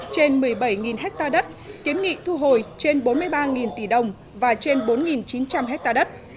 trên một mươi bảy ha đất kiến nghị thu hồi trên bốn mươi ba tỷ đồng và trên bốn chín trăm linh hectare đất